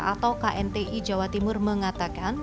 atau knti jawa timur mengatakan